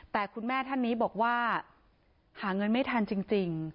แต่คุณแม่ท่านนี้บอกว่าหาเงินไม่ทันจริง